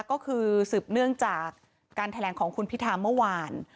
ก็คือสืบเนื่องจากการแถลงของคุณพิธาเมื่อวาน